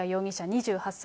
２８歳。